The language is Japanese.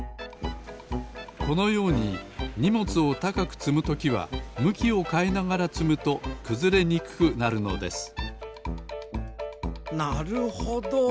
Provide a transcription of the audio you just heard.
このようににもつをたかくつむときはむきをかえながらつむとくずれにくくなるのですなるほど。